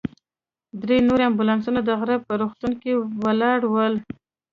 درې نور امبولانسونه د غره په روغتون کې ولاړ ول.